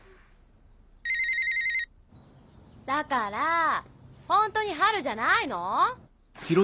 だからぁホントにハルじゃないの？